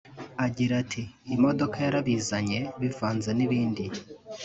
Agira ati “Imodoka yarabizanye bivanze n’ibindi